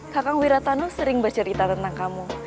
kakang wiratano sering bercerita tentang kamu